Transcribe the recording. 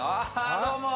どうも！